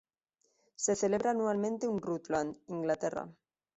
Se celebra anualmente en Rutland, Inglaterra.